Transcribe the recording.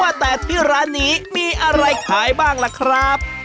ว่าแต่ที่ร้านนี้มีอะไรขายบ้างล่ะครับ